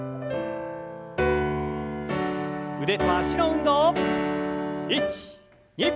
腕と脚の運動。